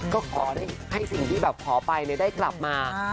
ก็ขอให้สิ่งที่แบบขอไปได้กลับมา